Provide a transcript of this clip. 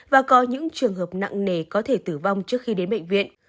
và có những trường hợp nặng nề có thể tử vong trước khi đến bệnh viện